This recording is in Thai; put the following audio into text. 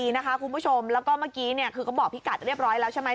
คุณผู้ชมแล้วก็เมื่อกี้คือก็บอกพี่กัดเรียบร้อยแล้วใช่ไหม